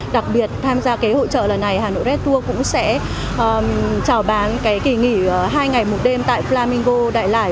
đặc biệt tham gia hội trợ lần này hà nội red tour cũng sẽ trào bán kỳ nghỉ hai ngày một đêm tại flamingo đại lải